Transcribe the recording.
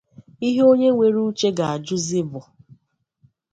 Ihe onye nwere uche ga-ajụzị bụ